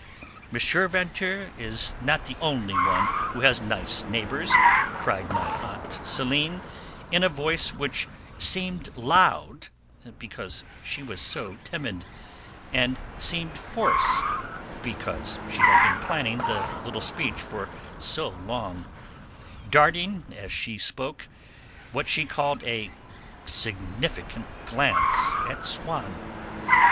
"M. Vinteuil is not the only one who has nice neighbours," cried my aunt Céline in a voice which seemed loud because she was so timid, and seemed forced because she had been planning the little speech for so long; darting, as she spoke, what she called a 'significant glance' at Swann.